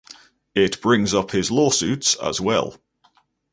It brings up his lawsuits as well.